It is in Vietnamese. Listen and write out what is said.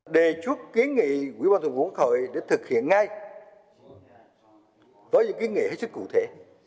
đề chút kiến nghị của ubnd để thực hiện ngay với những kiến nghị hết sức cụ thể